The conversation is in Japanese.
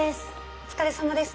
お疲れさまです。